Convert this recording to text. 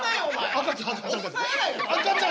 赤ちゃん。